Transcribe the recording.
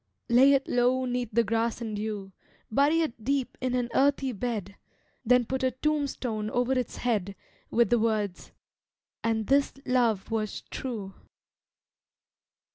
Lay it low 'neath the grass and dew, Bury it deep in an earthy bed, Then put a tombstone over its head With the words "And this love was true."